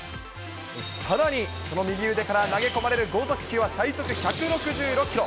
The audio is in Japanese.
さらに、その右腕から投げ込まれる剛速球は最速１６６キロ。